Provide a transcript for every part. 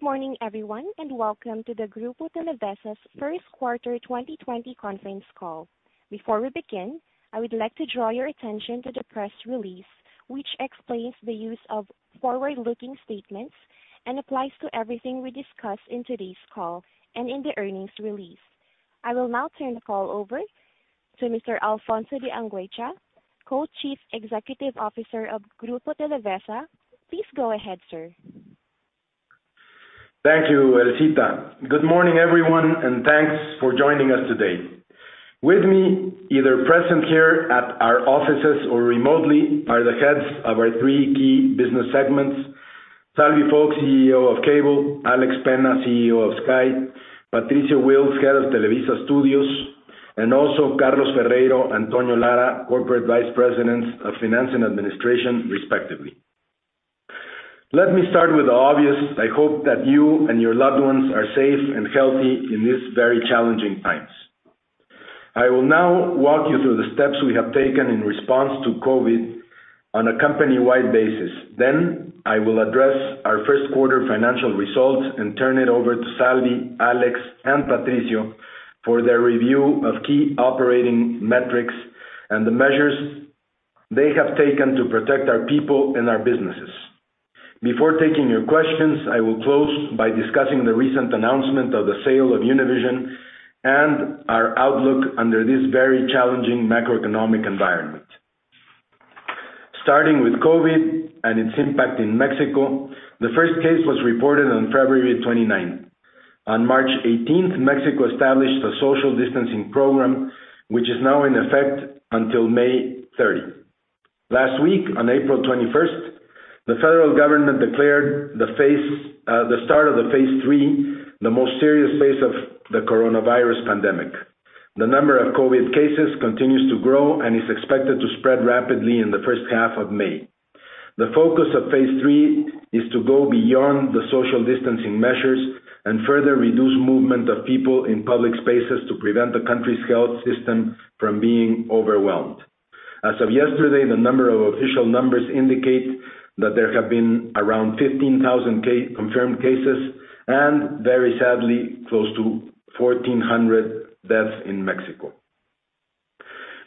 Good morning, everyone, Welcome to the Grupo Televisa's first quarter 2020 conference call. Before we begin, I would like to draw your attention to the press release, which explains the use of forward-looking statements and applies to everything we discuss in today's call and in the earnings release. I will now turn the call over to Mr. Alfonso de Angoitia, Co-Chief Executive Officer of Grupo Televisa. Please go ahead, sir. Thank you, Elsita. Good morning, everyone, and thanks for joining us today. With me, either present here at our offices or remotely, are the heads of our three key business segments. Salvi Folch, CEO of Cable, Alex Penna, CEO of Sky, Patricio Wills, Head of Televisa Estudios, and also Carlos Ferreiro, Antonio Lara, Corporate Vice Presidents of Finance and Administration respectively. Let me start with the obvious. I hope that you and your loved ones are safe and healthy in these very challenging times. I will now walk you through the steps we have taken in response to COVID on a company-wide basis. I will address our first quarter financial results and turn it over to Salvi, Alex, and Patricio for their review of key operating metrics and the measures they have taken to protect our people and our businesses. Before taking your questions, I will close by discussing the recent announcement of the sale of Univision and our outlook under this very challenging macroeconomic environment. Starting with COVID and its impact in Mexico, the 1st case was reported on February 29th. On March 18th, Mexico established a social distancing program, which is now in effect until May 30. Last week, on April 21st, the federal government declared the start of the phase lll, the most serious phase of the coronavirus pandemic. The number of COVID cases continues to grow and is expected to spread rapidly in the first half of May. The focus of phase lll is to go beyond the social distancing measures and further reduce movement of people in public spaces to prevent the country's health system from being overwhelmed. As of yesterday, the number of official numbers indicate that there have been around 15,000 confirmed cases and very sadly, close to 1,400 deaths in Mexico.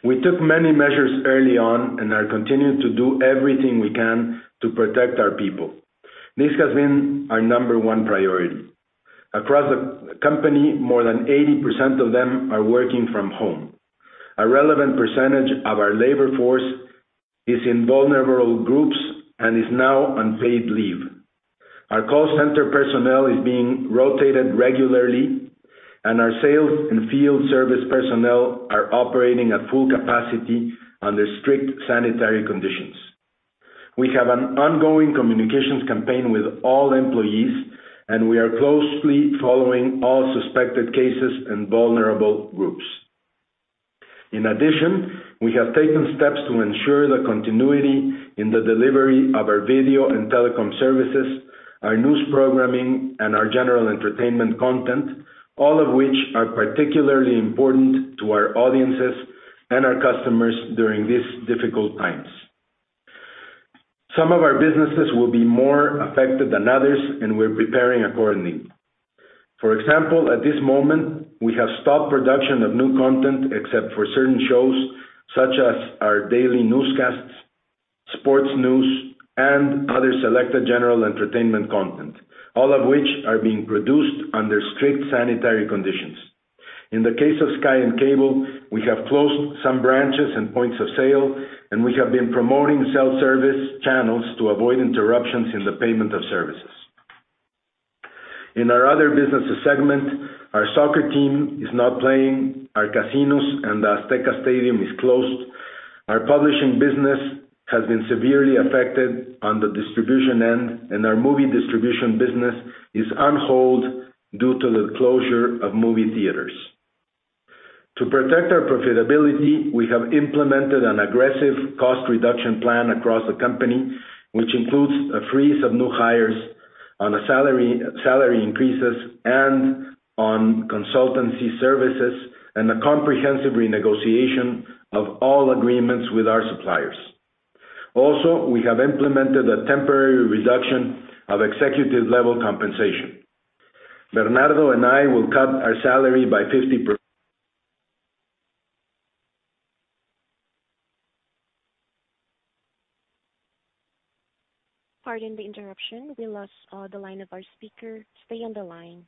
We took many measures early on and are continuing to do everything we can to protect our people. This has been our number one priority. Across the company, more than 80% of them are working from home. A relevant percentage of our labor force is in vulnerable groups and is now on paid leave. Our call center personnel is being rotated regularly, and our sales and field service personnel are operating at full capacity under strict sanitary conditions. We have an ongoing communications campaign with all employees, and we are closely following all suspected cases and vulnerable groups. In addition, we have taken steps to ensure the continuity in the delivery of our video and telecom services, our news programming, and our general entertainment content, all of which are particularly important to our audiences and our customers during these difficult times. Some of our businesses will be more affected than others, and we're preparing accordingly. For example, at this moment, we have stopped production of new content except for certain shows, such as our daily newscasts, sports news, and other selected general entertainment content, all of which are being produced under strict sanitary conditions. In the case of Sky and Cable, we have closed some branches and points of sale, and we have been promoting self-service channels to avoid interruptions in the payment of services. In our other businesses segment, our soccer team is not playing, our casinos and Estadio Azteca is closed. Our publishing business has been severely affected on the distribution end, and our movie distribution business is on hold due to the closure of movie theaters. To protect our profitability, we have implemented an aggressive cost reduction plan across the company, which includes a freeze of new hires on salary increases and on consultancy services, and a comprehensive renegotiation of all agreements with our suppliers. Also, we have implemented a temporary reduction of executive-level compensation. Bernardo and I will cut our salary by 50%. Pardon the interruption. We lost the line of our speaker. Stay on the line.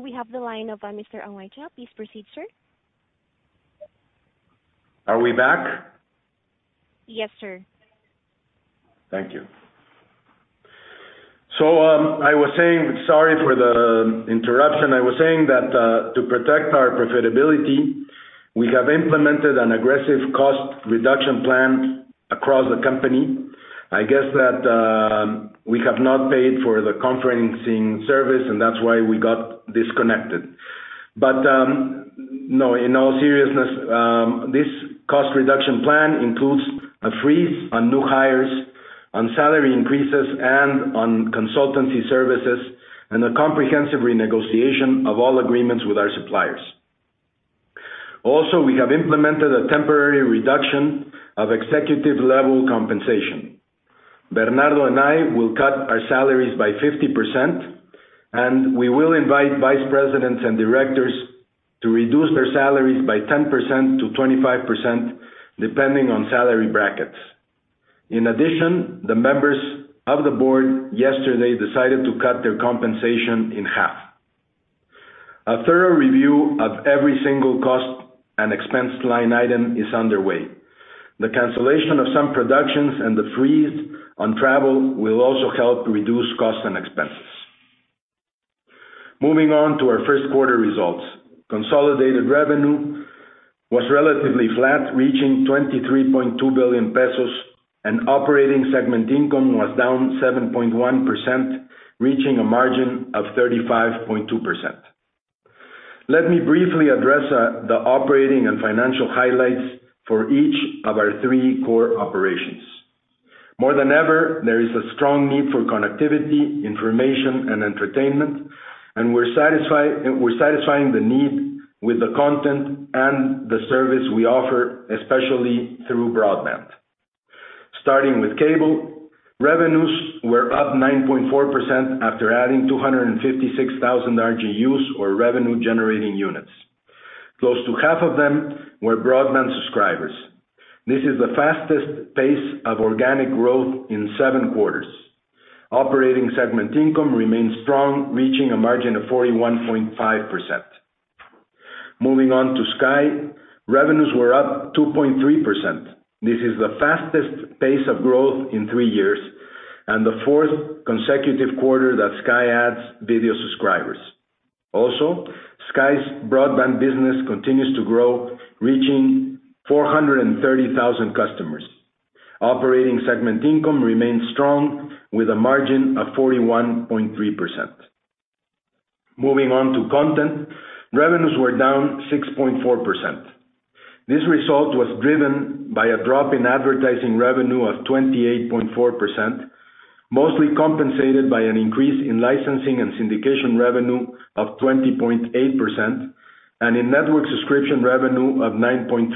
We have the line of Mr. de Angoitia. Please proceed, sir. Are we back? Yes, sir. Thank you. Sorry for the interruption. I was saying that to protect our profitability, we have implemented an aggressive cost reduction plan across the company. I guess that we have not paid for the conferencing service, that's why we got disconnected. In all seriousness, this cost reduction plan includes a freeze on new hires, on salary increases, and on consultancy services, a comprehensive renegotiation of all agreements with our suppliers. We have implemented a temporary reduction of executive-level compensation. Bernardo and I will cut our salaries by 50%, we will invite vice presidents and directors to reduce their salaries by 10%-25%, depending on salary brackets. In addition the members of the board yesterday decided to cut their compensation in half. A thorough review of every single cost and expense line item is underway. The cancellation of some productions and the freeze on travel will also help reduce costs and expenses. Moving on to our first quarter results. Consolidated revenue was relatively flat, reaching 23.2 billion pesos. Operating segment income was down 7.1%, reaching a margin of 35.2%. Let me briefly address the operating and financial highlights for each of our three core operations. More than ever, there is a strong need for connectivity, information, and entertainment. We're satisfying the need with the content and the service we offer, especially through broadband. Starting with Cable, revenues were up 9.4% after adding 256,000 RGUs or revenue generating units. Close to half of them were broadband subscribers. This is the fastest pace of organic growth in seven quarters. Operating segment income remains strong, reaching a margin of 41.5%. Moving on to Sky, revenues were up 2.3%. This is the fastest pace of growth in three years and the fourth consecutive quarter that Sky adds video subscribers. Also, Sky's broadband business continues to grow, reaching 430,000 customers. Operating segment income remains strong with a margin of 41.3%. Moving on to Content, revenues were down 6.4%. This result was driven by a drop in advertising revenue of 28.4%, mostly compensated by an increase in licensing and syndication revenue of 20.8%, and in network subscription revenue of 9.3%.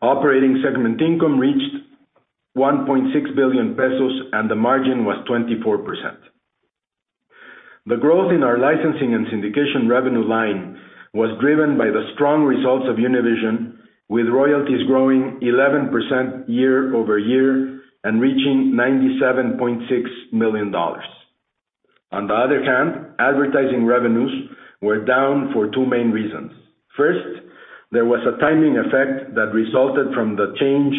Operating segment income reached 1.6 billion pesos and the margin was 24%. The growth in our licensing and syndication revenue line was driven by the strong results of Univision, with royalties growing 11% year-over-year and reaching $97.6 million. On the other hand, advertising revenues were down for two main reasons. 1st, there was a timing effect that resulted from the change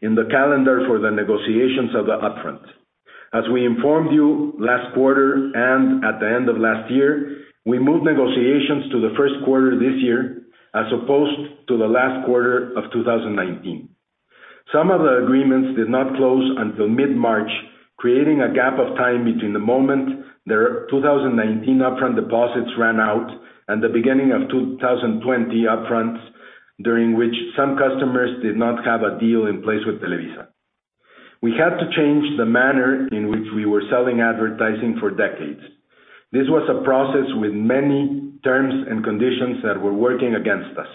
in the calendar for the negotiations of the upfront. As we informed you last quarter and at the end of last year, we moved negotiations to the first quarter this year, as opposed to the last quarter of 2019. Some of the agreements did not close until mid-March, creating a gap of time between the moment their 2019 upfront deposits ran out and the beginning of 2020 upfront, during which some customers did not have a deal in place with Televisa. We had to change the manner in which we were selling advertising for decades. This was a process with many terms and conditions that were working against us.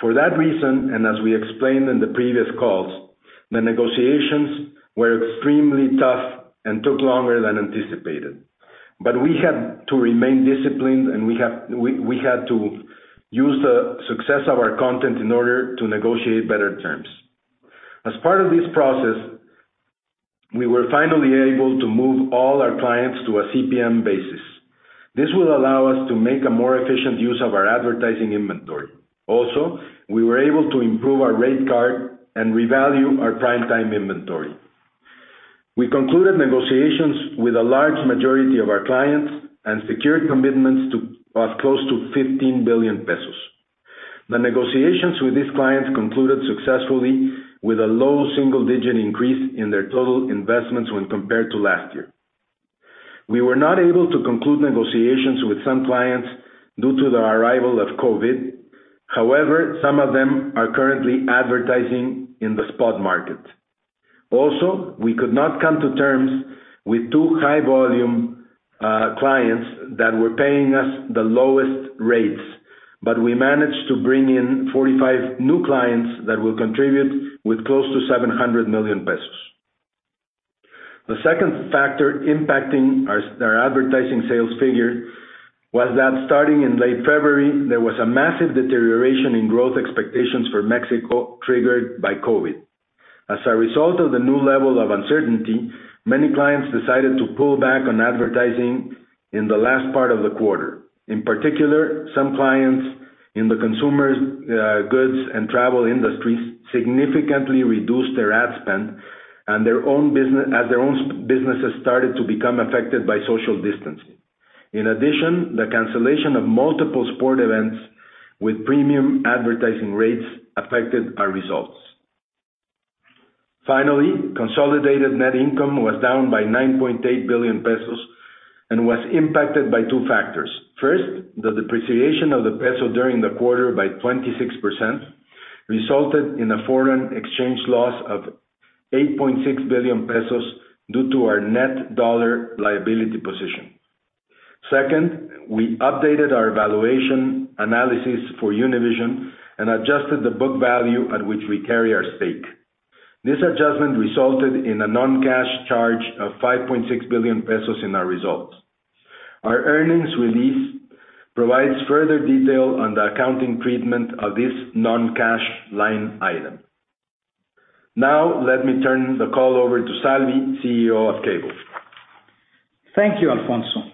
For that reason, and as we explained in the previous calls, the negotiations were extremely tough and took longer than anticipated. We had to remain disciplined, and we had to use the success of our content in order to negotiate better terms. As part of this process, we were finally able to move all our clients to a CPM basis. This will allow us to make a more efficient use of our advertising inventory. Also, we were able to improve our rate card and revalue our primetime inventory. We concluded negotiations with a large majority of our clients and secured commitments of close to 15 billion pesos. The negotiations with these clients concluded successfully with a low single-digit increase in their total investments when compared to last year. We were not able to conclude negotiations with some clients due to the arrival of COVID. However, some of them are currently advertising in the spot market. Also, we could not come to terms with two high-volume clients that were paying us the lowest rates, but we managed to bring in 45 new clients that will contribute with close to 700 million pesos. The 2nd factor impacting our advertising sales figure was that starting in late February, there was a massive deterioration in growth expectations for Mexico, triggered by COVID. As a result of the new level of uncertainty, many clients decided to pull back on advertising in the last part of the quarter. In particular, some clients in the consumers, goods, and travel industries significantly reduced their ad spend as their own businesses started to become affected by social distancing. In addition, the cancellation of multiple sport events with premium advertising rates affected our results. Finally, consolidated net income was down by 9.8 billion pesos and was impacted by two factors. 1st, the depreciation of the peso during the quarter by 26% resulted in a foreign exchange loss of 8.6 billion pesos due to our net dollar liability position. 2nd, we updated our valuation analysis for Univision and adjusted the book value at which we carry our stake. This adjustment resulted in a non-cash charge of 5.6 billion pesos in our results. Our earnings release provides further detail on the accounting treatment of this non-cash line item. Let me turn the call over to Salvi, CEO of Cable. Thank you, Alfonso.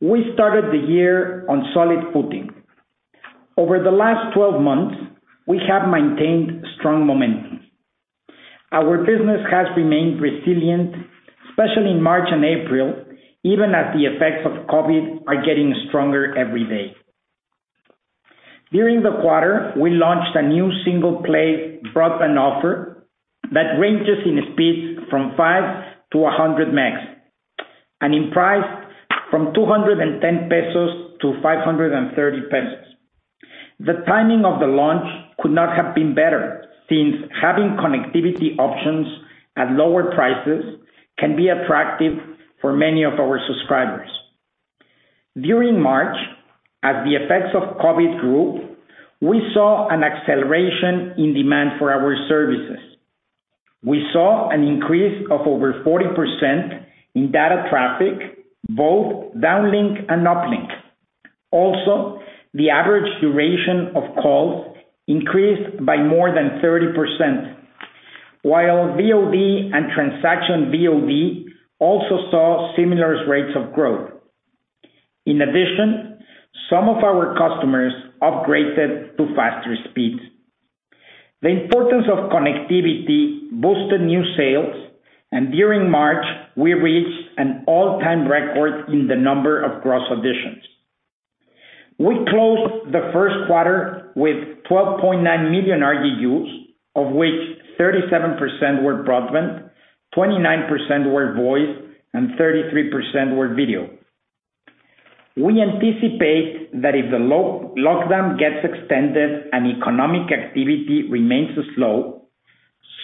We started the year on solid footing. Over the last 12 months, we have maintained strong momentum. Our business has remained resilient, especially in March and April, even as the effects of COVID are getting stronger every day. During the quarter, we launched a new single play broadband offer that ranges in speeds from 5-100 megs, and in price from 210-530 pesos. The timing of the launch could not have been better, since having connectivity options at lower prices can be attractive for many of our subscribers. During March, as the effects of COVID grew, we saw an acceleration in demand for our services. We saw an increase of over 40% in data traffic, both downlink and uplink. Also, the average duration of calls increased by more than 30%, while VOD and transaction VOD also saw similar rates of growth. Some of our customers upgraded to faster speeds. The importance of connectivity boosted new sales. During March, we reached an all-time record in the number of gross additions. We closed the first quarter with 12.9 million RGUs, of which 37% were broadband, 29% were voice, and 33% were video. We anticipate that if the lockdown gets extended and economic activity remains slow,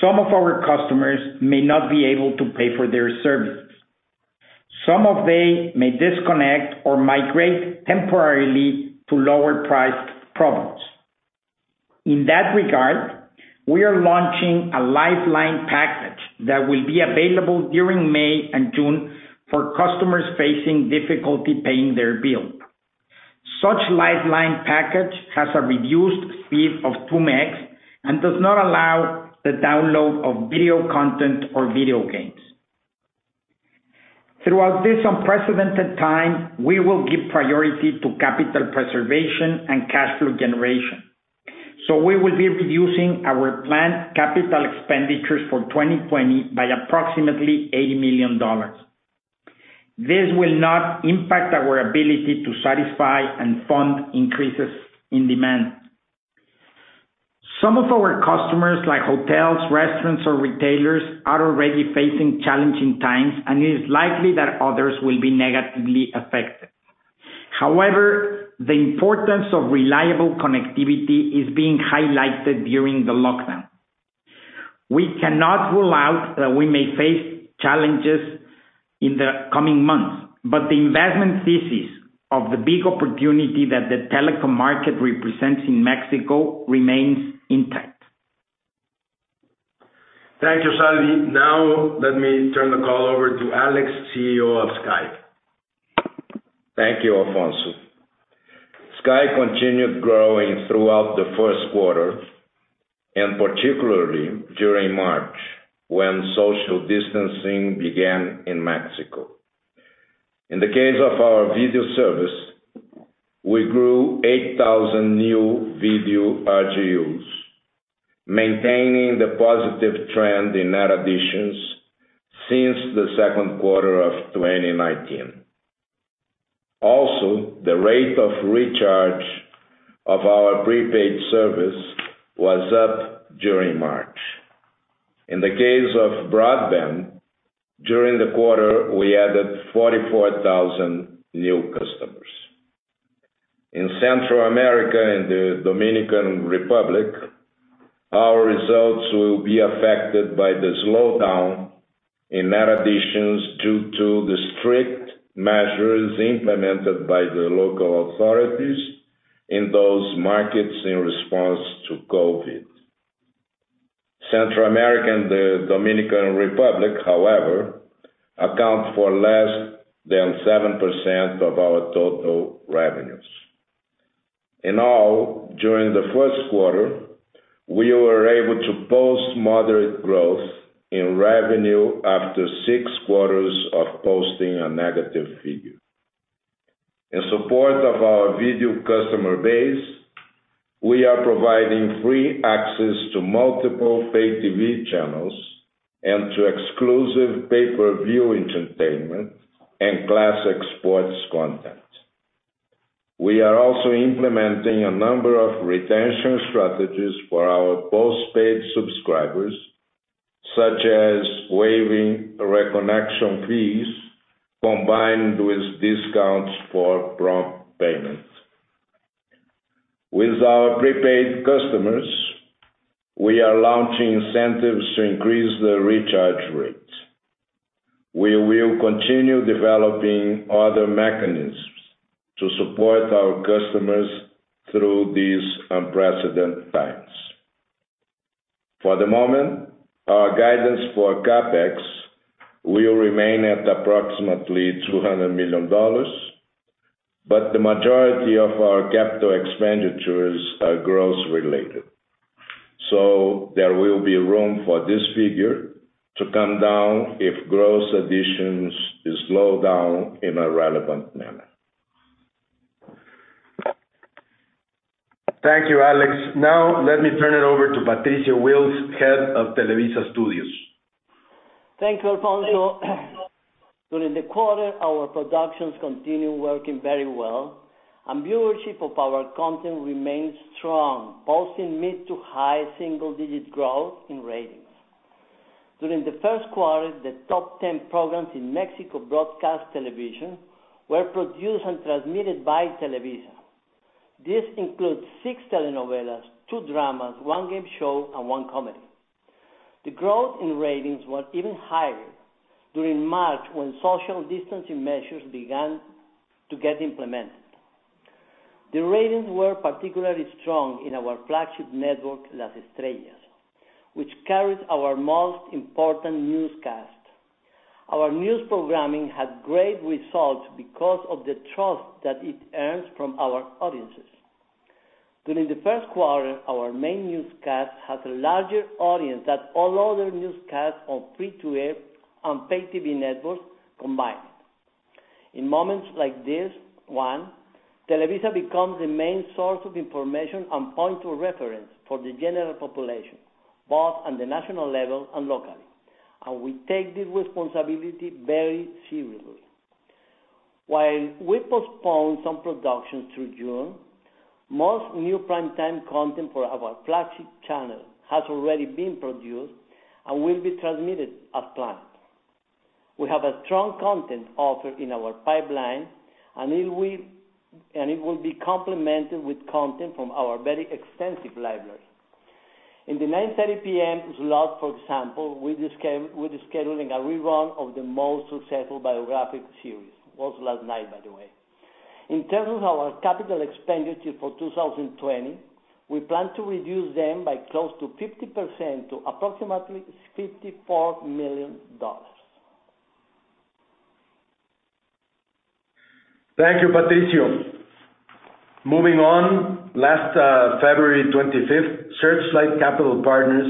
some of our customers may not be able to pay for their services. Some of them may disconnect or migrate temporarily to lower priced products. We are launching a lifeline package that will be available during May and June for customers facing difficulty paying their bill. Such lifeline package has a reduced speed of 2 megs and does not allow the download of video content or video games. Throughout this unprecedented time, we will give priority to capital preservation and cash flow generation. We will be reducing our planned capital expenditures for 2020 by approximately $80 million. This will not impact our ability to satisfy and fund increases in demand. Some of our customers, like hotels, restaurants, or retailers, are already facing challenging times, and it is likely that others will be negatively affected. However, the importance of reliable connectivity is being highlighted during the lockdown. We cannot rule out that we may face challenges in the coming months, but the investment thesis of the big opportunity that the telecom market represents in Mexico remains intact. Thank you, Salvi. Now let me turn the call over to Alex, CEO of Sky. Thank you, Alfonso. Sky continued growing throughout the first quarter, and particularly during March, when social distancing began in Mexico. In the case of our video service, we grew 8,000 new video RGUs, maintaining the positive trend in net additions since the second quarter of 2019. The rate of recharge of our prepaid service was up during March. In the case of broadband, during the quarter, we added 44,000 new customers. In Central America and the Dominican Republic, our results will be affected by the slowdown in net additions due to the strict measures implemented by the local authorities in those markets in response to COVID. Central America and the Dominican Republic, however, account for less than 7% of our total revenues. In all, during the first quarter, we were able to post moderate growth in revenue after six quarters of posting a negative figure. In support of our video customer base, we are providing free access to multiple pay TV channels and to exclusive pay-per-view entertainment and classic sports content. We are also implementing a number of retention strategies for our postpaid subscribers, such as waiving reconnection fees combined with discounts for prompt payment. With our prepaid customers, we are launching incentives to increase the recharge rate. We will continue developing other mechanisms to support our customers through these unprecedented times. For the moment, our guidance for CapEx will remain at approximately $200 million, but the majority of our capital expenditures are growth related. There will be room for this figure to come down if growth additions slow down in a relevant manner. Thank you, Alex. Now let me turn it over to Patricio Wills, head of Televisa Studios. Thank you, Alfonso. During the quarter, our productions continued working very well and viewership of our content remains strong, posting mid to high single-digit growth in ratings. During the first quarter, the top 10 programs in Mexico broadcast television were produced and transmitted by Televisa. This includes six telenovelas, two dramas, one game show, and one comedy. The growth in ratings was even higher during March when social distancing measures began to get implemented. The ratings were particularly strong in our flagship network, Las Estrellas, which carries our most important newscast. Our news programming had great results because of the trust that it earns from our audiences. During the first quarter, our main newscast had a larger audience than all other newscasts on free TV and paid TV networks combined. In moments like this one, Televisa becomes the main source of information and point of reference for the general population, both on the national level and locally. We take this responsibility very seriously. While we postponed some productions through June, most new prime time content for our flagship channel has already been produced and will be transmitted as planned. We have a strong content offer in our pipeline. It will be complemented with content from our very extensive library. In the 9:30 P.M. slot, for example, we are scheduling a rerun of the most successful biographic series. It was last night, by the way. In terms of our capital expenditure for 2020, we plan to reduce them by close to 50% to approximately MXN 54 million. Thank you, Patricio. Moving on, last February 25th, Searchlight Capital Partners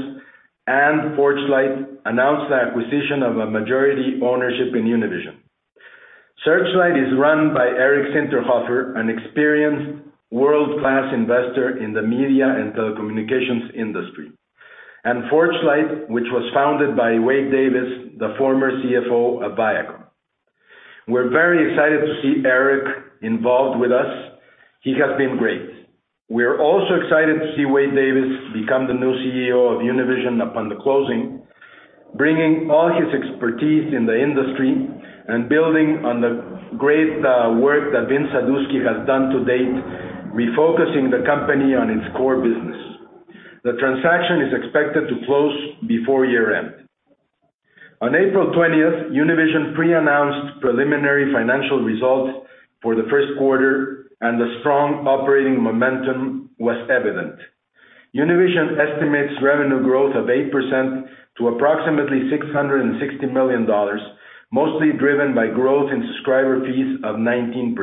and ForgeLight announced the acquisition of a majority ownership in Univision. Searchlight is run by Eric Zinterhofer, an experienced world-class investor in the media and telecommunications industry, and ForgeLight, which was founded by Wade Davis, the former CFO of Viacom. We're very excited to see Eric involved with us. He has been great. We are also excited to see Wade Davis become the new CEO of Univision upon the closing, bringing all his expertise in the industry and building on the great work that Vince Sadusky has done to date, refocusing the company on its core business. The transaction is expected to close before year-end. On April 20th, Univision pre-announced preliminary financial results for the first quarter, and the strong operating momentum was evident. Univision estimates revenue growth of 8% to approximately $660 million, mostly driven by growth in subscriber fees of 19%.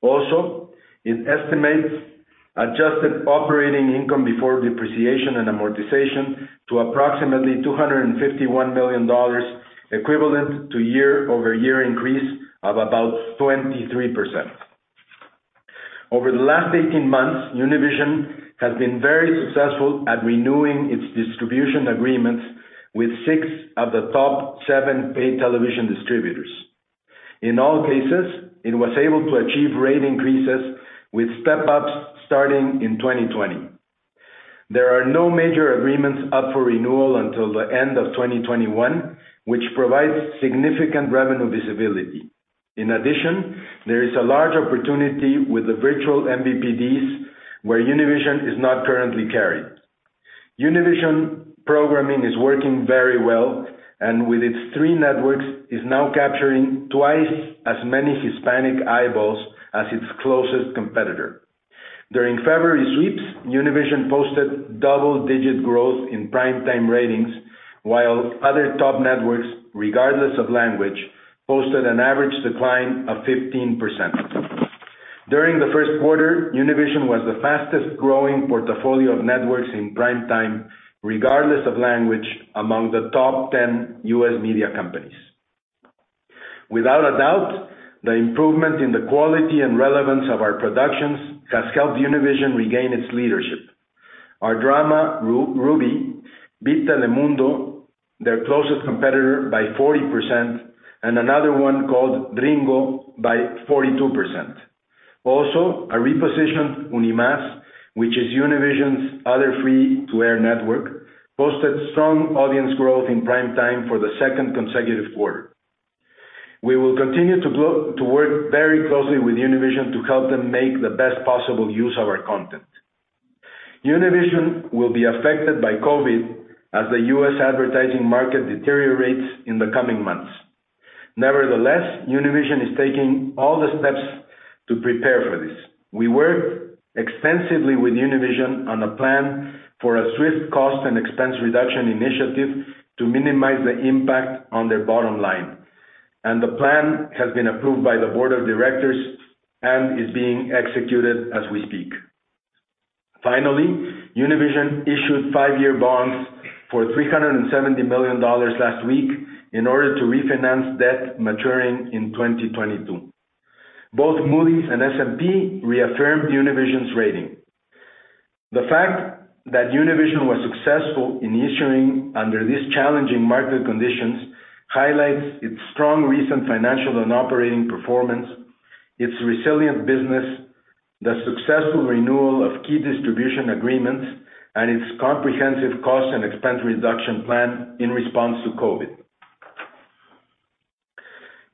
Also it estimates adjusted operating income before depreciation and amortization to approximately $251 million, equivalent to year-over-year increase of about 23%. Over the last 18 months, Univision has been very successful at renewing its distribution agreements with six of the top seven paid television distributors. In all cases, it was able to achieve rate increases with step-ups starting in 2020. There are no major agreements up for renewal until the end of 2021, which provides significant revenue visibility. There is a large opportunity with the virtual MVPDs, where Univision is not currently carried. Univision programming is working very well, and with its three networks, is now capturing twice as many Hispanic eyeballs as its closest competitor. During February sweeps, Univision posted double-digit growth in prime time ratings, while other top networks, regardless of language, posted an average decline of 15%. During the first quarter, Univision was the fastest-growing portfolio of networks in prime time, regardless of language, among the top 10 U.S. media companies. Without a doubt, the improvement in the quality and relevance of our productions has helped Univision regain its leadership. Our drama, "Rubí", beat Telemundo, their closest competitor, by 40%, and another one called "Ringo" by 42%. A repositioned UniMás, which is Univision's other free to air network, posted strong audience growth in prime time for the second consecutive quarter. We will continue to work very closely with Univision to help them make the best possible use of our content. Univision will be affected by COVID as the U.S. advertising market deteriorates in the coming months. Nevertheless, Univision is taking all the steps to prepare for this. We work extensively with Univision on a plan for a swift cost and expense reduction initiative to minimize the impact on their bottom line, and the plan has been approved by the board of directors and is being executed as we speak. Finally, Univision issued five-year bonds for $370 million last week in order to refinance debt maturing in 2022. Both Moody's and S&P reaffirmed Univision's rating. The fact that Univision was successful in issuing under these challenging market conditions highlights its strong recent financial and operating performance, its resilient business, the successful renewal of key distribution agreements, and its comprehensive cost and expense reduction plan in response to COVID.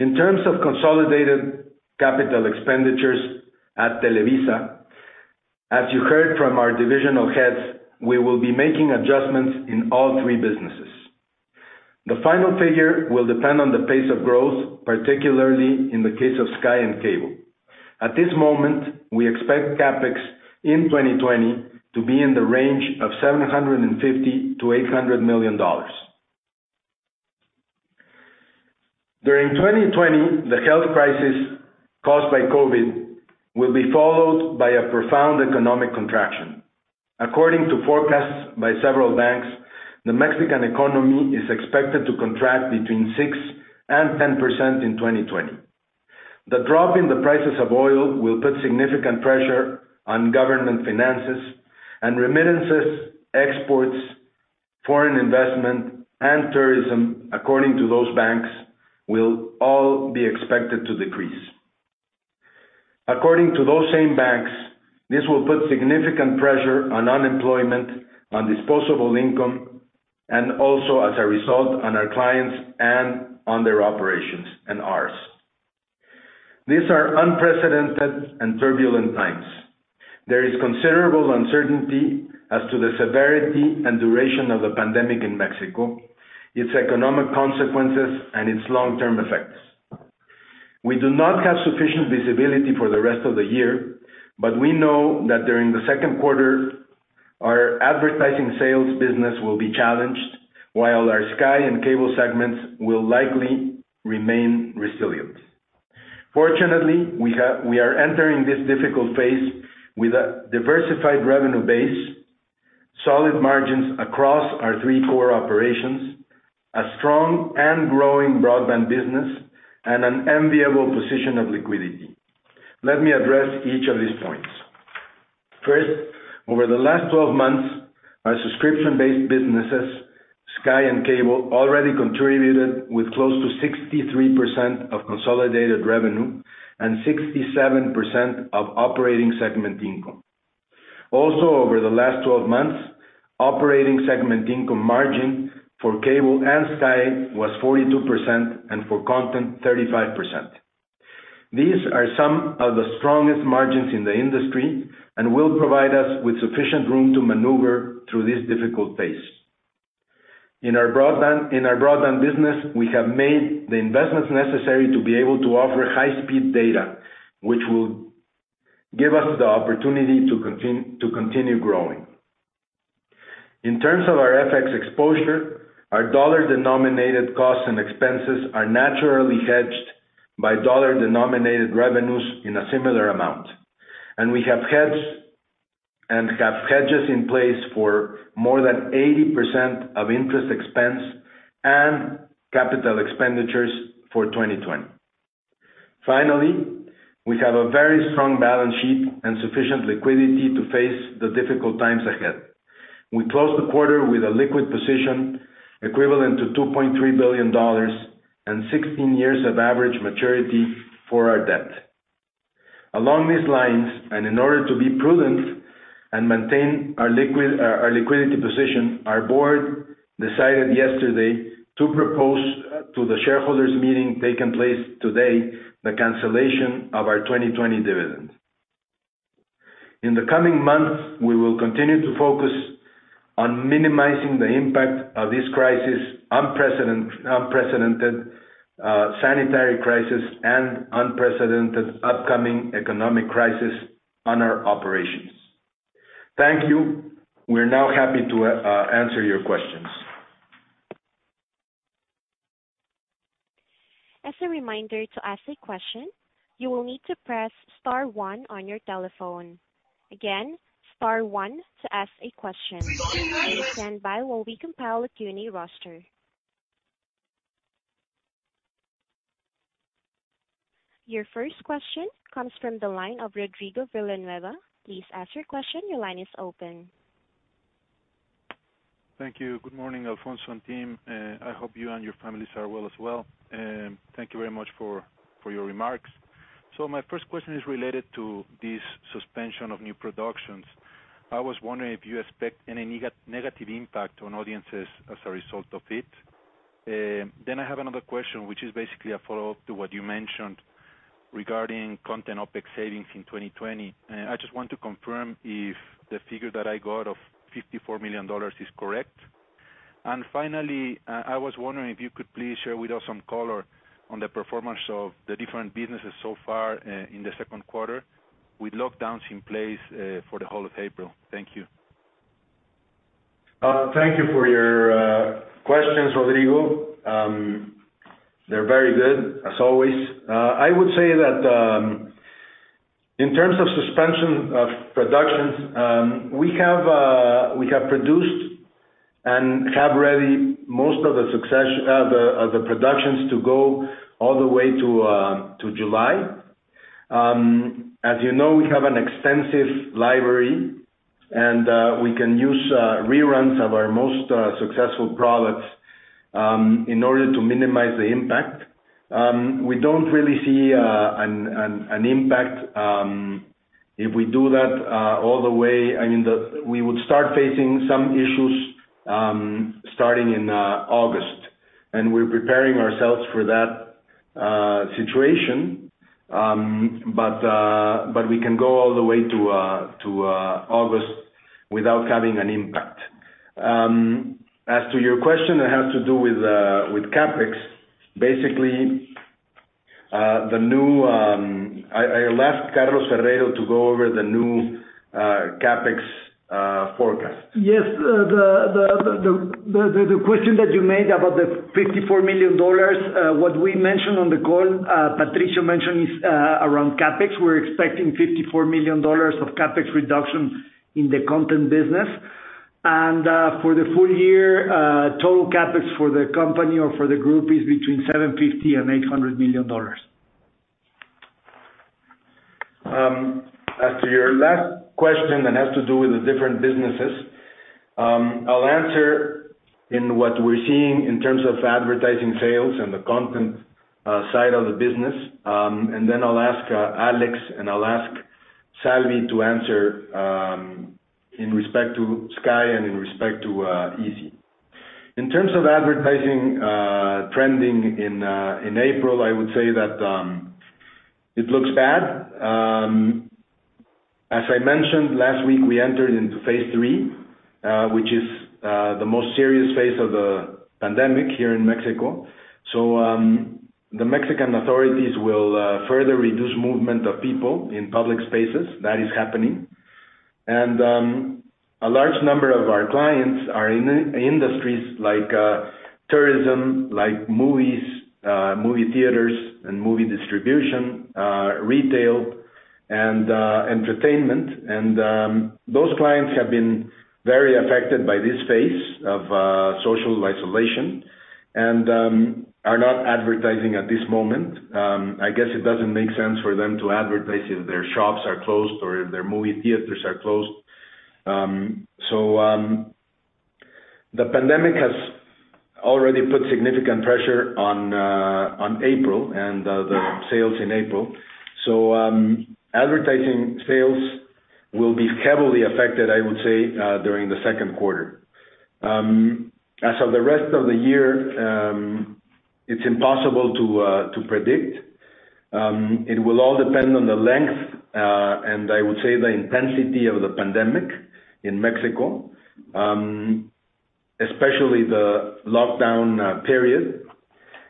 In terms of consolidated capital expenditures at Televisa, as you heard from our divisional heads, we will be making adjustments in all three businesses. The final figure will depend on the pace of growth, particularly in the case of Sky and Cable. At this moment, we expect CapEx in 2020 to be in the range of $750 million-$800 million. During 2020, the health crisis caused by COVID will be followed by a profound economic contraction. According to forecasts by several banks, the Mexican economy is expected to contract between 6% and 10% in 2020. The drop in the prices of oil will put significant pressure on government finances. Remittances, exports, foreign investment, and tourism, according to those banks, will all be expected to decrease. According to those same banks, this will put significant pressure on unemployment, on disposable income, and also, as a result, on our clients and on their operations and ours. These are unprecedented and turbulent times. There is considerable uncertainty as to the severity and duration of the pandemic in Mexico, its economic consequences, and its long-term effects. We do not have sufficient visibility for the rest of the year. We know that during the second quarter, our advertising sales business will be challenged, while our Sky and Cable segments will likely remain resilient. Fortunately, we are entering this difficult phase with a diversified revenue base, solid margins across our three core operations, a strong and growing broadband business, and an enviable position of liquidity. Let me address each of these points. 1st, over the last 12 months, our subscription-based businesses, Sky and Cable, already contributed with close to 63% of consolidated revenue and 67% of operating segment income. Also over the last 12 months, operating segment income margin for Cable and Sky was 42%, and for content 35%. These are some of the strongest margins in the industry and will provide us with sufficient room to maneuver through this difficult phase. In our broadband business, we have made the investments necessary to be able to offer high-speed data, which will give us the opportunity to continue growing. In terms of our FX exposure, our dollar-denominated costs and expenses are naturally hedged by dollar-denominated revenues in a similar amount. We have hedges in place for more than 80% of interest expense and capital expenditures for 2020. Finally, we have a very strong balance sheet and sufficient liquidity to face the difficult times ahead. We closed the quarter with a liquid position equivalent to $2.3 billion and 16 years of average maturity for our debt. Along these lines, and in order to be prudent and maintain our liquidity position, our board decided yesterday to propose to the shareholders meeting taking place today, the cancellation of our 2020 dividends. In the coming months, we will continue to focus on minimizing the impact of this crisis, unprecedented sanitary crisis, and unprecedented upcoming economic crisis on our operations. Thank you. We're now happy to answer your questions. As a reminder, to ask a question, you will need to press star one on your telephone. Again, star one to ask a question. Please stand by while we compile a Q&A roster. Your 1st question comes from the line of Rodrigo Villanueva. Please ask your question. Your line is open. Thank you. Good morning, Alfonso and team. I hope you and your families are well as well. Thank you very much for your remarks. My 1st question is related to this suspension of new productions. I was wondering if you expect any negative impact on audiences as a result of it. I have another question, which is basically a follow-up to what you mentioned regarding content OpEx savings in 2020. I just want to confirm if the figure that I got of $54 million is correct? Finally, I was wondering if you could please share with us some color on the performance of the different businesses so far in the second quarter, with lockdowns in place for the whole of April. Thank you. Thank you for your questions, Rodrigo. They're very good, as always. I would say that in terms of suspension of productions, we have produced and have ready most of the productions to go all the way to July. As you know, we have an extensive library, we can use reruns of our most successful products in order to minimize the impact. We don't really see an impact if we do that all the way. We would start facing some issues starting in August, we're preparing ourselves for that situation. We can go all the way to August without having an impact. As to your question that has to do with CapEx, basically, I left Carlos Ferreiro to go over the new CapEx forecast. Yes. The question that you made about the $54 million, what we mentioned on the call, Patricio mentioned, is around CapEx. We're expecting $54 million of CapEx reduction in the content business. For the full year, total CapEx for the company or for the group is between $750 million-$800 million. As to your last question that has to do with the different businesses, I'll answer in what we're seeing in terms of advertising sales and the content side of the business. I'll ask Alex and I'll ask Salvi to answer in respect to Sky and in respect to Izzi. In terms of advertising trending in April, I would say that it looks bad. As I mentioned, last week we entered into phase lll, which is the most serious phase of the pandemic here in Mexico. The Mexican authorities will further reduce movement of people in public spaces. That is happening. A large number of our clients are in industries like tourism, like movies, movie theaters and movie distribution, retail and entertainment. Those clients have been very affected by this phase of social isolation and are not advertising at this moment. I guess it doesn't make sense for them to advertise if their shops are closed or if their movie theaters are closed. The pandemic has already put significant pressure on April and the sales in April. Advertising sales will be heavily affected, I would say, during the second quarter. As of the rest of the year, it's impossible to predict. It will all depend on the length, and I would say, the intensity of the pandemic in Mexico, especially the lockdown period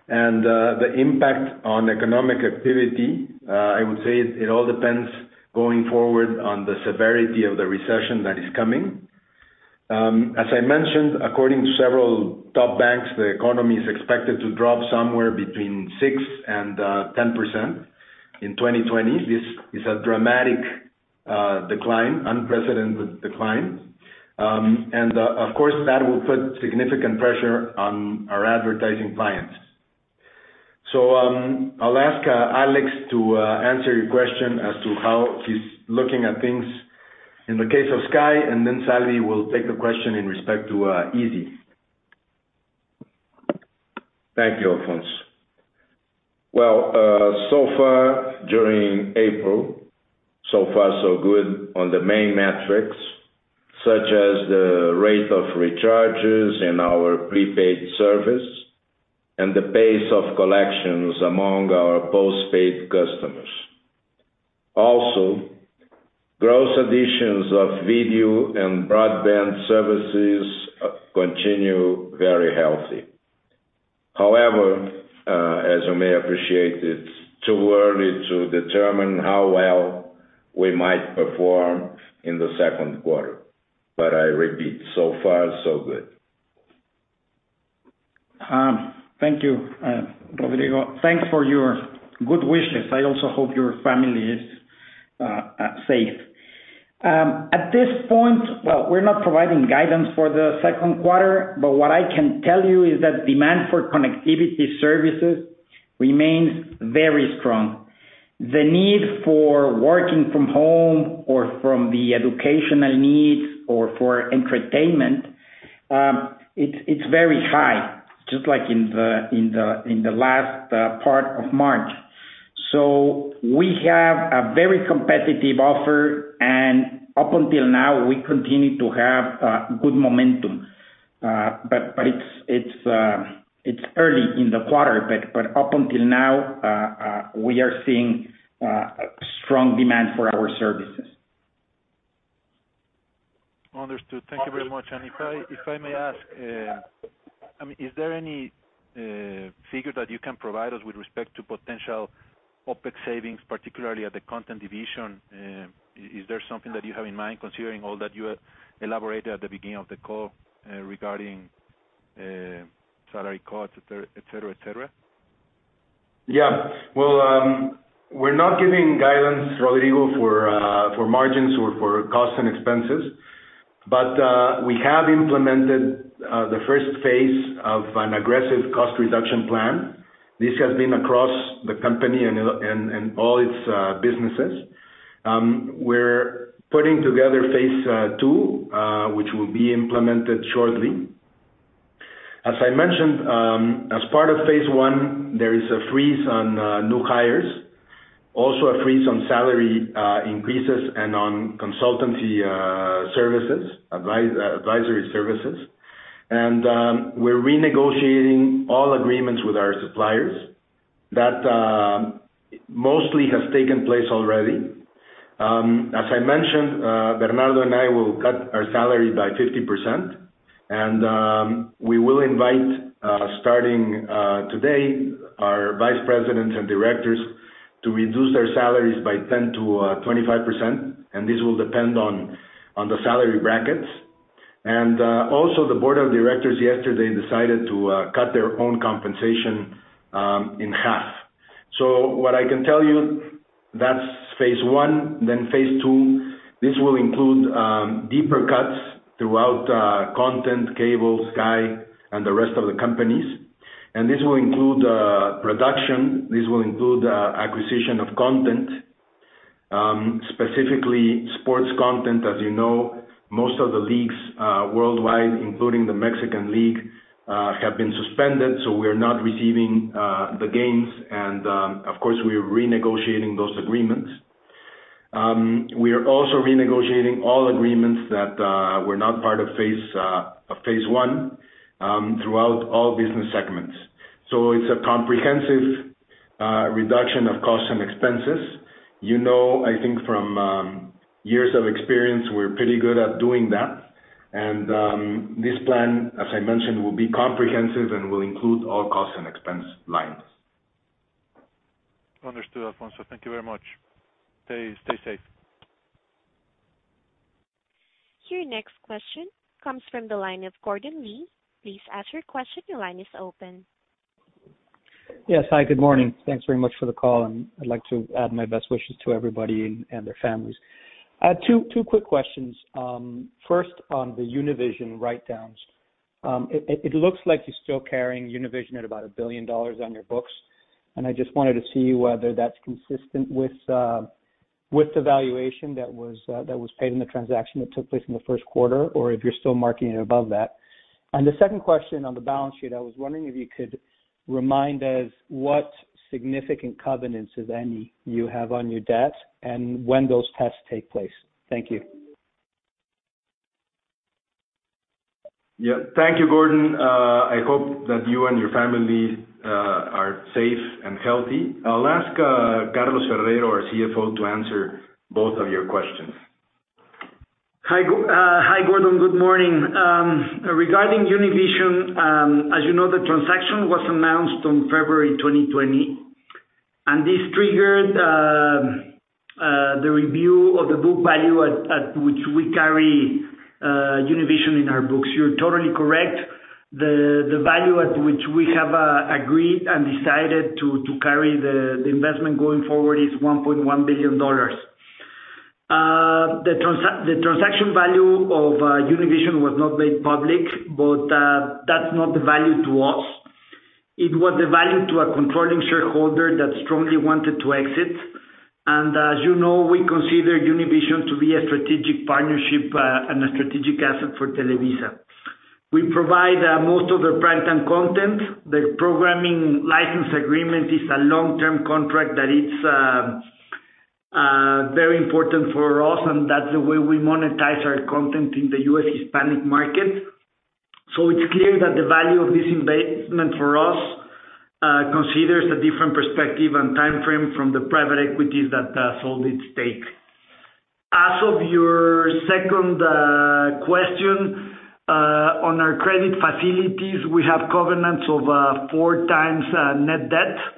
and the impact on economic activity. I would say it all depends going forward on the severity of the recession that is coming. As I mentioned, according to several top banks, the economy is expected to drop somewhere between 6% and 10% in 2020. This is a dramatic, unprecedented decline. Of course, that will put significant pressure on our advertising clients. I'll ask Alex to answer your question as to how he's looking at things in the case of Sky, and then Salvi will take the question in respect to Izzi. Thank you, Alfonso. So far during April, so far so good on the main metrics, such as the rate of recharges in our prepaid service and the pace of collections among our postpaid customers. Also, gross additions of video and broadband services continue very healthy. However, as you may appreciate, it's too early to determine how well we might perform in the second quarter. I repeat, so far, so good. Thank you, Rodrigo. Thanks for your good wishes. I also hope your family is safe. At this point, well, we're not providing guidance for the second quarter, but what I can tell you is that demand for connectivity services remains very strong. The need for working from home or from the educational needs or for entertainment, it's very high, just like in the last part of March. We have a very competitive offer, and up until now, we continue to have good momentum. It's early in the quarter, but up until now, we are seeing strong demand for our services. Understood. Thank you very much. If I may ask, is there any figure that you can provide us with respect to potential OpEx savings, particularly at the content division? Is there something that you have in mind considering all that you elaborated at the beginning of the call regarding salary cuts, et cetera? Yeah. Well, we're not giving guidance, Rodrigo, for margins or for cost and expenses. We have implemented the first phase of an aggressive cost reduction plan. This has been across the company and all its businesses. We're putting together phase ll, which will be implemented shortly. As I mentioned, as part of phase l, there is a freeze on new hires, also a freeze on salary increases and on consultancy services, advisory services. We're renegotiating all agreements with our suppliers. That mostly has taken place already. As I mentioned, Bernardo and I will cut our salary by 50%. We will invite, starting today, our Vice Presidents and Directors to reduce their salaries by 10%-25%. This will depend on the salary brackets. Also, the board of directors yesterday decided to cut their own compensation in half. What I can tell you, that's phase l then phase ll, this will include deeper cuts throughout Content, Cable, Sky, and the rest of the companies. This will include production. This will include acquisition of content, specifically sports content. As you know, most of the leagues worldwide, including the Mexican League have been suspended, so we are not receiving the games, and of course, we're renegotiating those agreements. We are also renegotiating all agreements that were not part of phase l throughout all business segments. It's a comprehensive reduction of costs and expenses. I think from years of experience, we're pretty good at doing that. This plan, as I mentioned, will be comprehensive and will include all cost and expense lines. Understood, Alfonso. Thank you very much. Stay safe. Your next question comes from the line of Gordon Lee. Please ask your question. Your line is open. Yes. Hi, good morning. Thanks very much for the call, and I'd like to add my best wishes to everybody and their families. Two quick questions. 1st, on the Univision write-downs. It looks like you're still carrying Univision at about $1 billion on your books, and I just wanted to see whether that's consistent with the valuation that was paid in the transaction that took place in the first quarter, or if you're still marking it above that. The second question on the balance sheet, I was wondering if you could remind us what significant covenants, if any, you have on your debt and when those tests take place? Thank you. Yeah. Thank you, Gordon. I hope that you and your family are safe and healthy. I'll ask Carlos Ferreiro, our CFO, to answer both of your questions. Hi, Gordon. Good morning. Regarding Univision, as you know, the transaction was announced on February 2020, and this triggered the review of the book value at which we carry Univision in our books. You're totally correct. The value at which we have agreed and decided to carry the investment going forward is $1.1 billion. The transaction value of Univision was not made public, but that's not the value to us. It was the value to a controlling shareholder that strongly wanted to exit. As you know, we consider Univision to be a strategic partnership and a strategic asset for Televisa. We provide most of the primetime content. The programming license agreement is a long-term contract that it's very important for us, and that's the way we monetize our content in the U.S. Hispanic market. It's clear that the value of this investment for us considers a different perspective and timeframe from the private equities that sold its stake. As of your 2nd question, on our credit facilities, we have covenants of 4x net debt.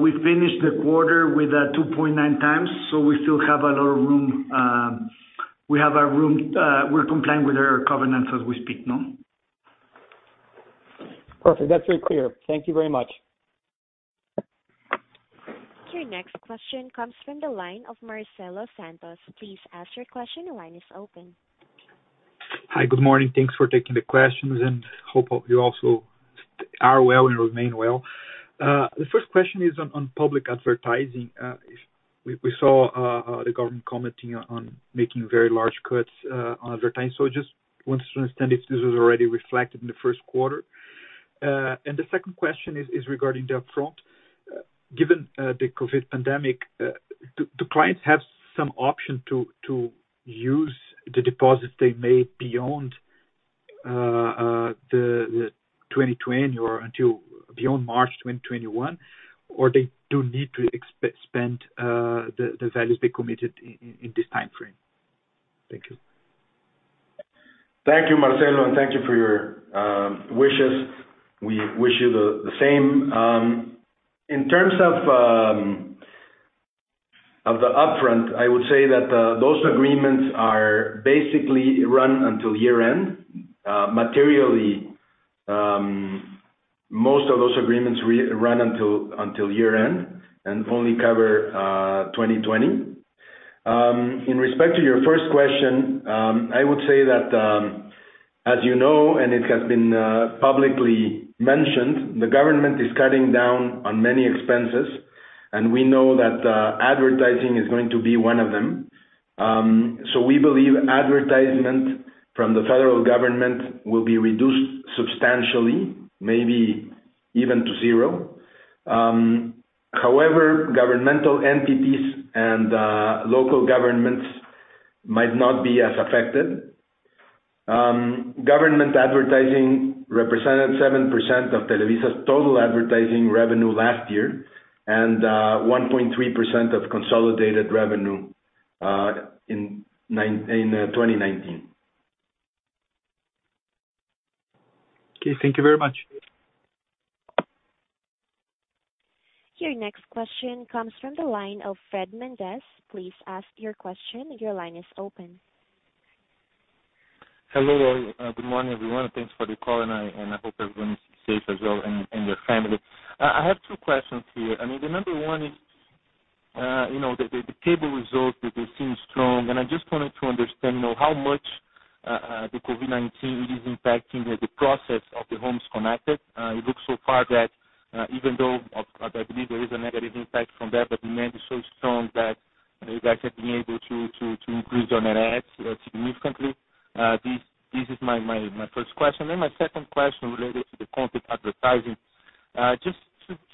We finished the quarter with 2.9x, so we still have a lot of room. We're complying with our covenants as we speak now. Perfect. That's very clear. Thank you very much. Your next question comes from the line of Marcelo Santos. Please ask your question. Your line is open. Hi. Good morning. Thanks for taking the questions. Hope you also are well and remain well. The 1st question is on public advertising. We saw the government commenting on making very large cuts on advertising. I just wanted to understand if this was already reflected in the first quarter. The 2nd question is regarding the upfront. Given the COVID pandemic, do clients have some option to use the deposits they made beyond 2020 or until beyond March 2021, or they do need to spend the values they committed in this timeframe? Thank you. Thank you, Marcelo, and thank you for your wishes. We wish you the same. In terms of the upfront, I would say that those agreements basically run until year-end. Materially, most of those agreements run until year-end and only cover 2020. In respect to your 1st question, I would say that, as you know, and it has been publicly mentioned, the government is cutting down on many expenses, and we know that advertising is going to be one of them. We believe advertisement from the federal government will be reduced substantially, maybe even to zero. However, governmental entities and local governments might not be as affected. Government advertising represented 7% of Televisa's total advertising revenue last year and 1.3% of consolidated revenue in 2019. Okay. Thank you very much. Your next question comes from the line of Fred Mendes. Please ask your question. Your line is open. Hello. Good morning, everyone. Thanks for the call. I hope everyone is safe as well, and their family. I have two questions here. The number 1 is the Cable results, they seem strong. I just wanted to understand how much the COVID-19 really is impacting the process of the homes connected? It looks so far that even though, I believe there is a negative impact from that, demand is so strong that you guys have been able to increase your net adds significantly. This is my 1st question. My 2nd question related to the content advertising. Just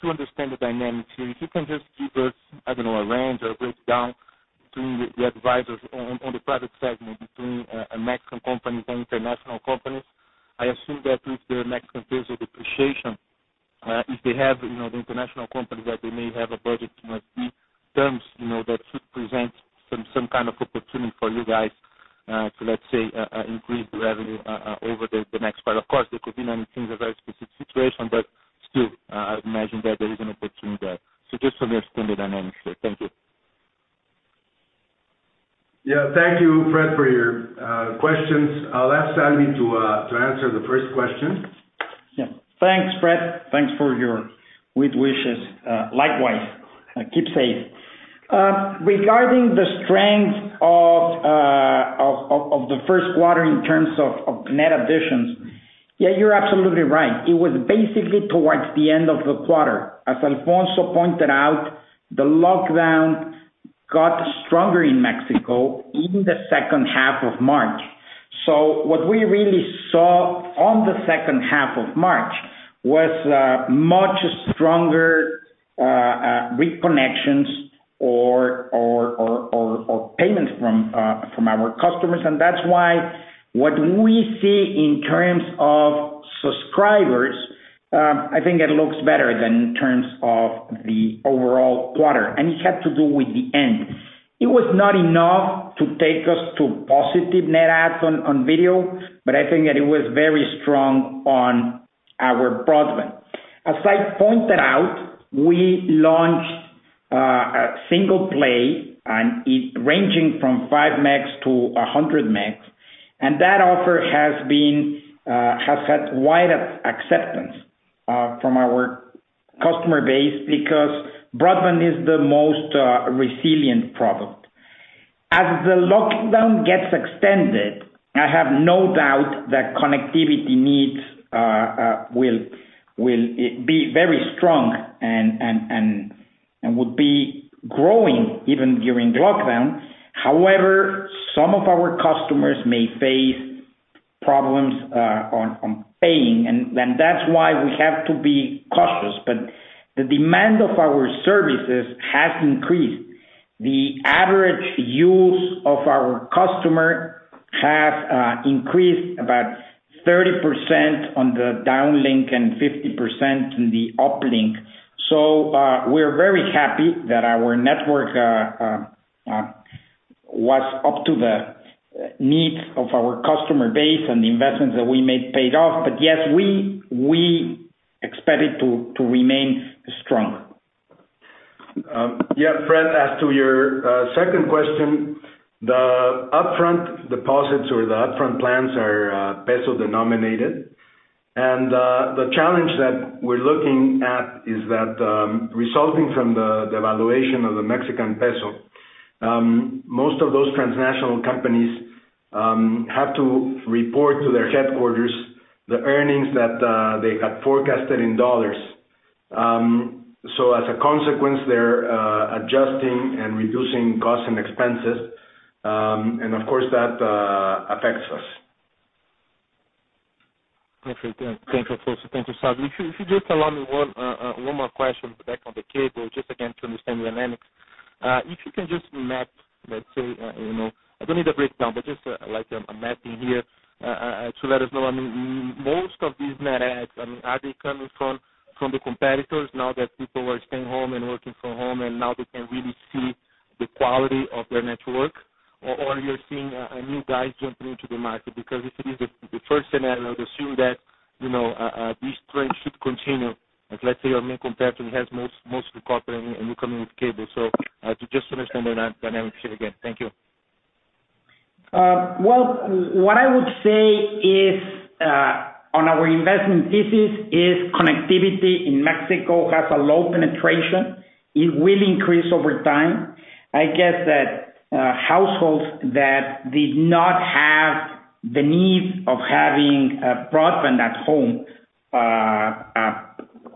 to understand the dynamics here, if you can just give us, I don't know, a range or a breakdown between the advertisers on the private segment, between Mexican companies and international companies. I assume that with the Mexican peso depreciation, if they have the international companies that they may have a budget, might be terms that should present some kind of opportunity for you guys to, let's say, increase revenue over the next part. Of course, there could be many things, a very specific situation, but still, I imagine that there is an opportunity there. Just to understand the dynamics there. Thank you. Thank you, Fred, for your questions. I'll ask Salvi to answer the 1st question. Yeah. Thanks, Fred. Thanks for your good wishes. Likewise. Keep safe. Regarding the strength of the first quarter in terms of net additions, yeah, you're absolutely right. It was basically towards the end of the quarter. As Alfonso pointed out, the lockdown got stronger in Mexico in the second half of March. What we really saw on the second half of March was much stronger reconnections or payments from our customers. That's why what we see in terms of subscribers, I think it looks better than in terms of the overall quarter, and it had to do with the end. It was not enough to take us to positive net adds on video, but I think that it was very strong on our broadband. As I pointed out, we launched a single play, and it ranging from 5 MB-100 MB, and that offer has had wide acceptance from our customer base because broadband is the most resilient product. As the lockdown gets extended, I have no doubt that connectivity needs will be very strong and would be growing even during lockdown. However, some of our customers may face problems on paying, and that's why we have to be cautious. The demand of our services has increased. The average use of our customer has increased about 30% on the downlink and 50% in the uplink. We're very happy that our network was up to the needs of our customer base and the investments that we made paid off. Yes, we expect it to remain strong. Yeah, Fred, as to your 2nd question, the upfront deposits or the upfront plans are peso denominated. The challenge that we're looking at is that, resulting from the devaluation of the Mexican peso, most of those transnational companies have to report to their headquarters the earnings that they had forecasted in U.S. dollars. As a consequence, they're adjusting and reducing costs and expenses. Of course, that affects us. Perfect. Thank you, Alfonso. Thank you, Salvi. If you just allow me one more question back on the Cable, just again, to understand the dynamics. If you can just map, let's say, I don't need a breakdown, but just a mapping here to let us know. Most of these net adds, are they coming from the competitors now that people are staying home and working from home, and now they can really see the quality of their network? You're seeing new guys jumping into the market? If it is the 1st scenario, I'd assume that this trend should continue as, let's say, your main competitor has most of the copper and you're coming with Cable. Just to understand the dynamics here again. Thank you. Well, what I would say is on our investment thesis is connectivity in Mexico has a low penetration. It will increase over time. I guess that households that did not have the need of having broadband at home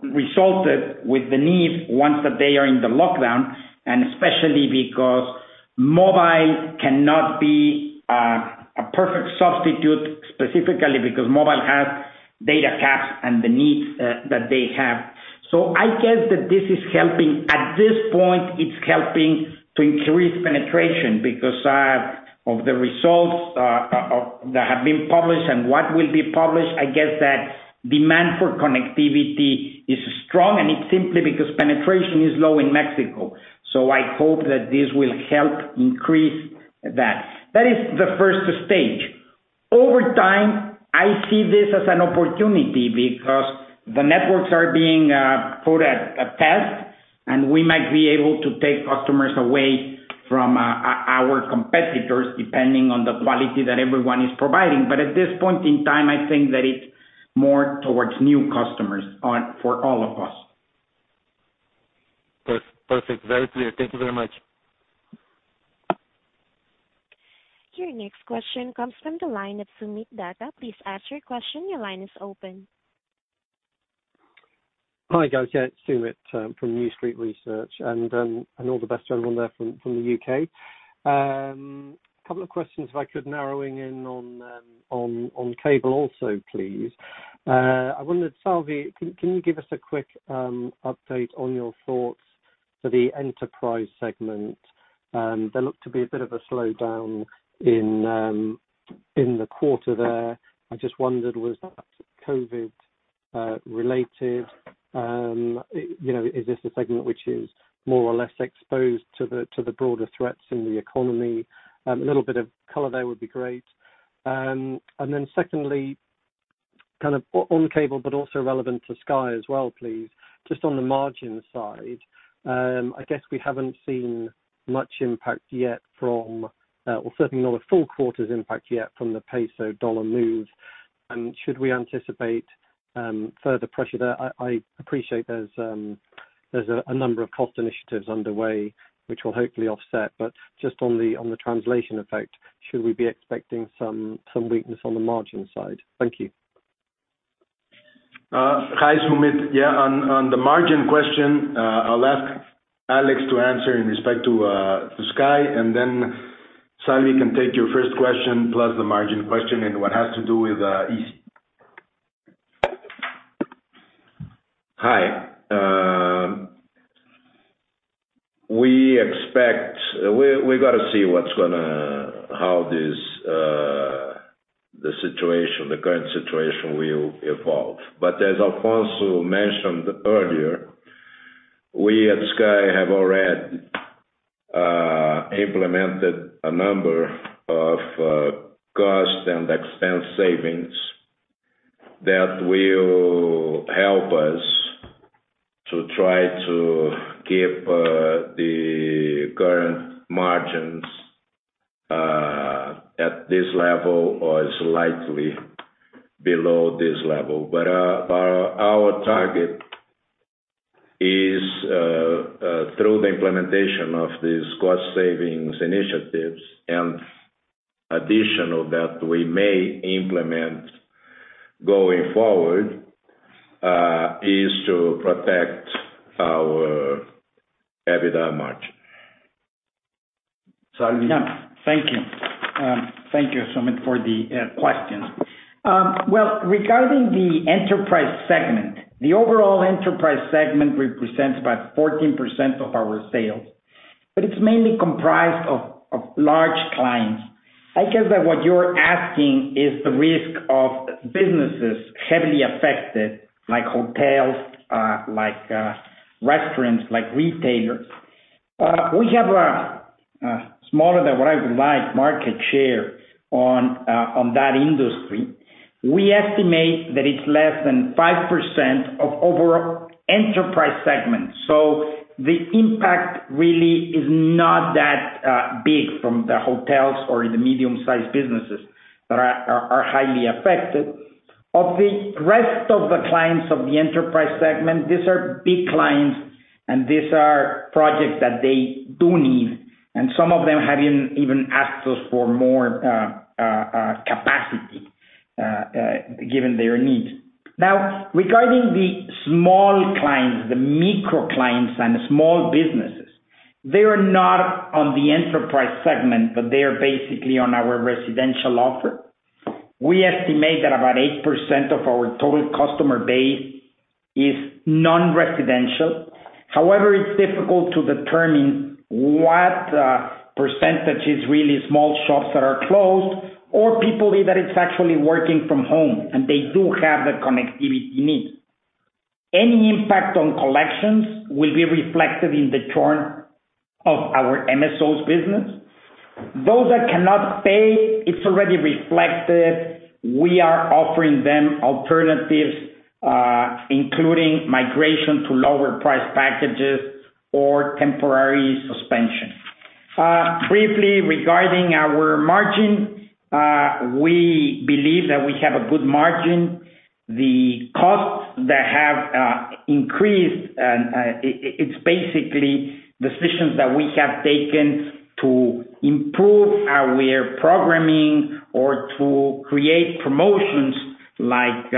resulted with the need once that they are in the lockdown, and especially because mobile cannot be a perfect substitute, specifically because mobile has data caps, and the needs that they have. I guess that this is helping. At this point, it's helping to increase penetration because of the results that have been published and what will be published, I guess that demand for connectivity is strong, and it's simply because penetration is low in Mexico. I hope that this will help increase that. That is the stage one. Over time, I see this as an opportunity because the networks are being put at test, and we might be able to take customers away from our competitors depending on the quality that everyone is providing. At this point in time, I think that it's more towards new customers for all of us. Perfect. Very clear. Thank you very much. Your next question comes from the line of Soomit Datta. Please ask your question. Your line is open. Hi, guys. Yeah, it's Soomit from New Street Research. All the best to everyone there from the U.K. Couple of questions, if I could, narrowing in on cable also, please. I wondered, Salvi, can you give us a quick update on your thoughts for the enterprise segment? There looked to be a bit of a slowdown in the quarter there. I just wondered, was that COVID-related? Is this a segment which is more or less exposed to the broader threats in the economy? A little bit of color there would be great. Secondly, on cable, but also relevant to Sky as well, please, just on the margin side. I guess we haven't seen much impact yet from, or certainly not a full quarter's impact yet from the peso/dollar move. Should we anticipate further pressure there? I appreciate there's a number of cost initiatives underway which will hopefully offset, but just on the translation effect, should we be expecting some weakness on the margin side? Thank you. Hi, Soomit, yeah, on the margin question, I'll ask Alex to answer in respect to Sky, and then Salvi can take your 1st question, plus the margin question and what has to do with Izzi. Hi. We've got to see how the current situation will evolve. As Alfonso mentioned earlier, we at Sky have already implemented a number of cost and expense savings that will help us to try to keep the current margins at this level or slightly below this level. Our target is through the implementation of these cost savings initiatives, and additional that we may implement going forward, is to protect our EBITDA margin. Salvi? Yeah. Thank you. Thank you, Soomit, for the questions. Well, regarding the enterprise segment, the overall enterprise segment represents about 14% of our sales, but it's mainly comprised of large clients. I guess that what you're asking is the risk of businesses heavily affected, like hotels, like restaurants, like retailers. We have a smaller than what I would like market share on that industry. We estimate that it's less than 5% of overall enterprise segments. The impact really is not that big from the hotels or the medium-sized businesses that are highly affected. Of the rest of the clients of the enterprise segment, these are big clients, and these are projects that they do need, and some of them have even asked us for more capacity given their needs. Regarding the small clients, the micro clients and the small businesses, they are not on the enterprise segment, but they are basically on our residential offer. We estimate that about 8% of our total customer base is non-residential. It's difficult to determine what percentage is really small shops that are closed or people that it's actually working from home, and they do have the connectivity needs. Any impact on collections will be reflected in the churn of our MSOs business. Those that cannot pay, it's already reflected. We are offering them alternatives, including migration to lower-priced packages or temporary suspension. Briefly regarding our margin, we believe that we have a good margin. The costs that have increased, it's basically decisions that we have taken to improve our programming or to create promotions like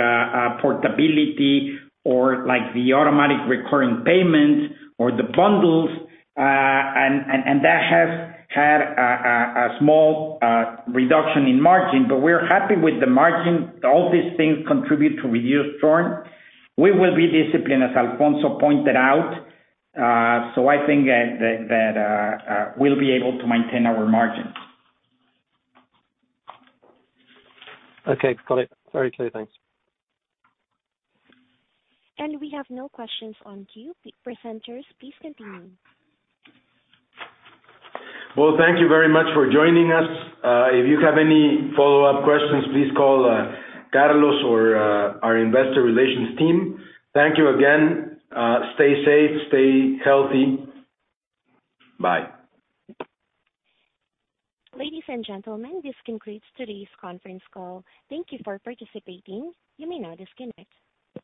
portability or the automatic recurring payments or the bundles. That has had a small reduction in margin, but we're happy with the margin. All these things contribute to reduced churn. We will be disciplined, as Alfonso pointed out, so I think that we'll be able to maintain our margins. Okay, got it. Very clear. Thanks. We have no questions on queue. Presenters, please continue. Well, thank you very much for joining us. If you have any follow-up questions, please call Carlos or our investor relations team. Thank you again. Stay safe, stay healthy. Bye. Ladies and gentlemen, this concludes today's conference call. Thank you for participating. You may now disconnect.